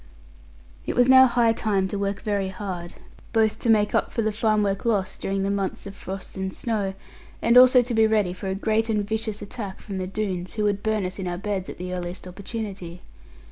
It was now high time to work very hard; both to make up for the farm work lost during the months of frost and snow, and also to be ready for a great and vicious attack from the Doones, who would burn us in our beds at the earliest opportunity.